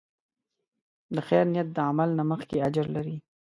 د خیر نیت د عمل نه مخکې اجر لري.